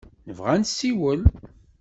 Nebɣa ad nessiwel.